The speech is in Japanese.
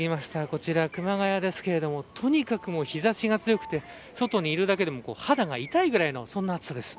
こちら熊谷ですけれどもとにかく日差しが強くて外にいるだけでも肌が痛いぐらいの暑さです。